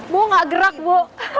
bu nggak gerak bu